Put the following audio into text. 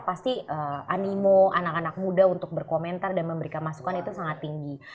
pasti animo anak anak muda untuk berkomentar dan memberikan masukan itu sangat tinggi